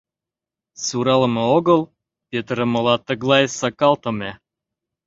Суралыме огыл, петырымыла тыглай сакалтыме.